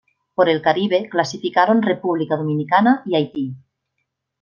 Por el Caribe, clasificaron República Dominicana y Haití.